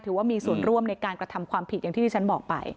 ว่ามีส่วนร่วมในการกระทำความผิดอย่างที่ที่ฉันบอกไป